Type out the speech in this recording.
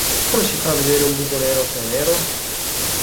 Come si fa a vedere un buco nero se è nero?